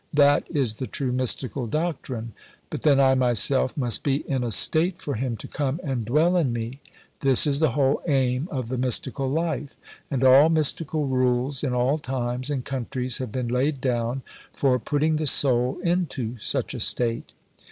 That is the true Mystical Doctrine. But then I myself must be in a state for Him to come and dwell in me. This is the whole aim of the Mystical Life; and all Mystical Rules in all times and countries have been laid down for putting the soul into such a state.